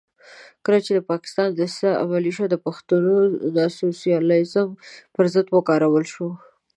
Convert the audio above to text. کله چې د پاکستان دسیسه عملي شوه د پښتون ناسیونالېزم پر ضد وکارول شو.